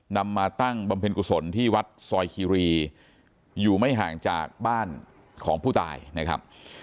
มาตั้งบำเพ็ญกุศลที่วัดซอยคีรีอยู่ไม่ห่างจากบ้านของผู้ตายนะครับ